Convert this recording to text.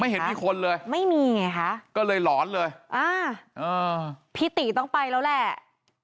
เห็นมีคนเลยไม่มีไงคะก็เลยหลอนเลยอ่าพี่ตีต้องไปแล้วแหละ